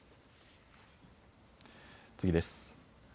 次です。